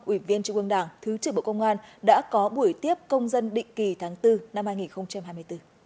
ủy viên trung ương đảng thứ trưởng bộ công an đã có buổi tiếp công dân định kỳ tháng bốn năm hai nghìn hai mươi bốn